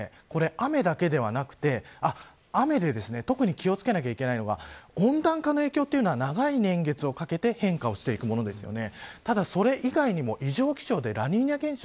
さらに、雨だけではなくて雨で特に気を付けなければいけないのが温暖化の影響というのは長い年月をかけて変化をしていくものですよね。